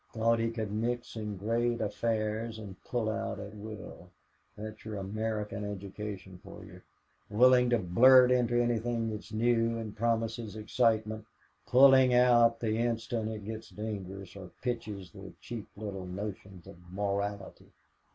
"Thought he could mix in great affairs and pull out at will. That's your American education for you willing to blurt into anything that's new and promises excitement, pulling out the instant it gets dangerous or pinches their cheap little notions of morality.